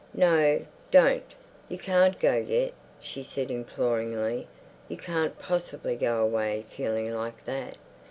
"No, don't. You can't go yet," she said imploringly. "You can't possibly go away feeling like that."